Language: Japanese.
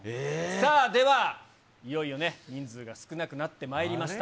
さあ、では、いよいよね、人数が少なくなってまいりました。